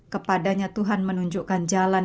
kepadanya tuhan menunjukkan jalan